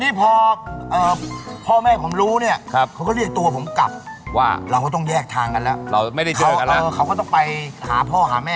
ทีนี้พอ